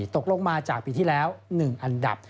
ตกลงมาจากปีที่แล้ว๑อันดับ